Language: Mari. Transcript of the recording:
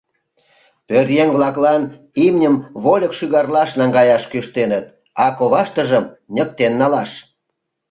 Пӧръеҥ-влаклан имньым вольык шӱгарлаш наҥгаяш кӱштеныт, а коваштыжым ньыктын налаш.